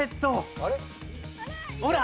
ほら！